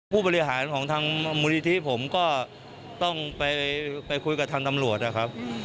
ผู้บริหารของทางมูลนิธิผมก็ต้องไปคุยกับทางตำรวจนะครับ